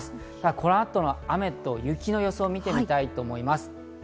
この後、雨と雪の様子を見てみたいと思います。